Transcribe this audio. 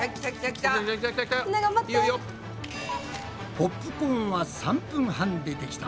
ポップコーンは３分半でできた。